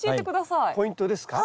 ポイントですか？